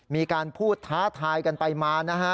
มีการพูดท้าทายกันไปมานะฮะ